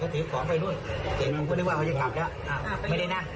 นู้นเขาอยากจะกลับนะไม่ได้น่ะ